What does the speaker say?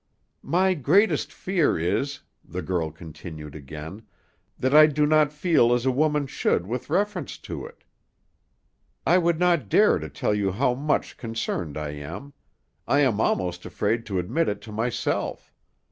"My greatest fear is," the girl continued again, "that I do not feel as a woman should with reference to it. I would not dare to tell you how much concerned I am; I am almost afraid to admit it to myself.